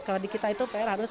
kalau di kita itu pr harus